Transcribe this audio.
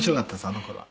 あの頃は」